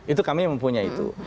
itu kami mempunyai itu